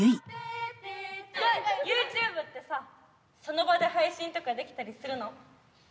ねえＹｏｕＴｕｂｅってさその場で配信とかできたりするの？